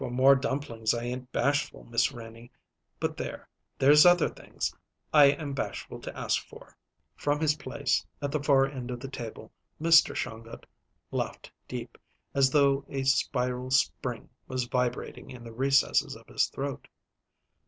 "For more dumplings I ain't bashful, Miss Renie; but there there's other things I am bashful to ask for." From his place at the far end of the table Mr. Shongut laughed deep, as though a spiral spring was vibrating in the recesses of his throat.